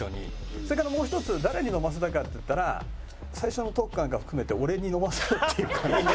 それからもう一つ誰に飲ませたいかって言ったら最初のトークかなんか含めて俺に飲ませようっていう考え。